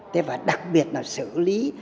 thế và đặc biệt là xử lý